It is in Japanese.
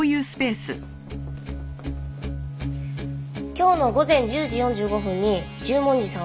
今日の午前１０時４５分に十文字さんは楽屋を出ました。